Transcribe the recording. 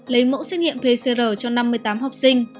lấy mẫu xét nghiệm pcr cho năm mươi tám học sinh